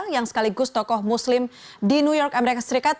yang sekaligus tokoh muslim di new york amerika serikat